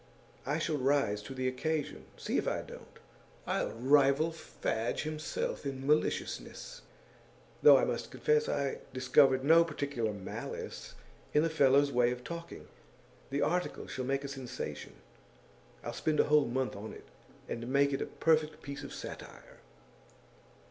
I shall rise to the occasion, see if I don't. I'll rival Fadge himself in maliciousness though I must confess I discovered no particular malice in the fellow's way of talking. The article shall make a sensation. I'll spend a whole month on it, and make it a perfect piece of satire.